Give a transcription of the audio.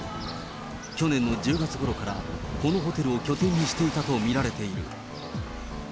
去年の１０月ごろからこのホテルを拠点にしていたと見られている。